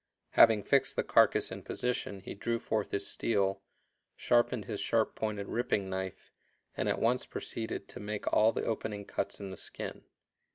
Having fixed the carcass in position he drew forth his steel, sharpened his sharp pointed "ripping knife," and at once proceeded to make all the opening cuts in the skin.